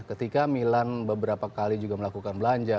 ketika milan beberapa kali juga melakukan belanja